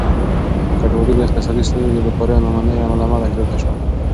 کډوالي د اقتصادي ستونزو، بېکاري او ناامني له امله زياته شوه.